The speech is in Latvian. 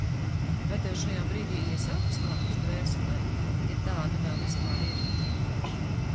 Vai tev šajā brīdī iesāpas kaut kas dvēselē, ja tāda vēl vispār ir?